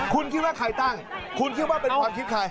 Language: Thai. คุณคิดว่าใครตั้งคุณคิดว่าเป็นความคิดใคร